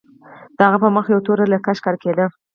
د هغه په مخ یوه توره لیکه ښکاره کېده